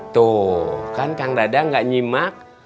tuh kan kang dada nggak nyimak